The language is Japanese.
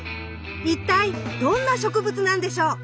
一体どんな植物なんでしょう？